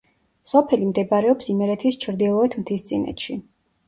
სოფელი მდებარეობს იმერეთის ჩრდილოეთ მთისწინეთში.